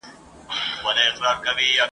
افغان اولسه ژوند دي پېغور دی ..